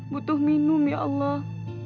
butuh minum ya allah